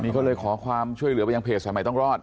ก็เลยขอความช่วยเหลือไปยังเพจสายใหม่ต้องรอด